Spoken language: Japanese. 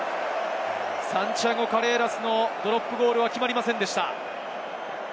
サンティアゴ・カレーラスのドロップゴールは決まりませんでした。